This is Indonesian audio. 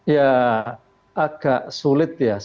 ya agak sulit ya